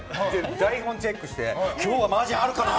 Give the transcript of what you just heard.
台本チェックして今日はマージャンあるかな？